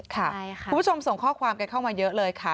คุณผู้ชมส่งข้อความกันเข้ามาเยอะเลยค่ะ